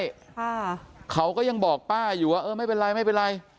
ค่ะเขาก็ยังบอกป้าอยู่ว่าเออไม่เป็นไรไม่เป็นไร